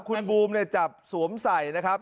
คุณบูมจับสวมไส่นะครับ